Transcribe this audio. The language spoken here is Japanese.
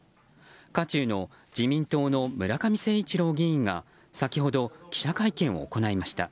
渦中の自民党の村上誠一郎議員が先ほど記者会見を行いました。